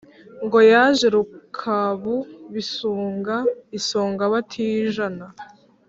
Ngo yaje Rukabu bisunga isonga batijana